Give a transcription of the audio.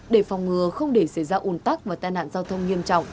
để phòng ngừa không để xảy ra ủn tắc và tai nạn giao thông nghiêm trọng